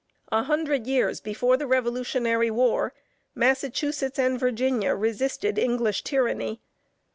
A hundred years before the revolutionary war, Massachusetts and Virginia resisted English tyranny.